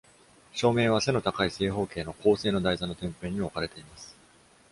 照明は、背の高い正方形の鋼製の台座の天辺に置かれています。